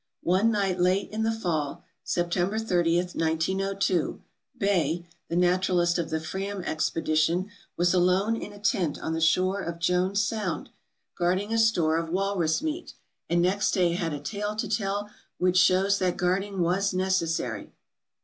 One night late in the fall (September 30, 1902), Bay, the naturalist of the "Fram" expedition, was alone in a tent on the shore of Jones Sound, guarding a store of walrus meat, and next day had a tale to tell which shows that guarding was necessary.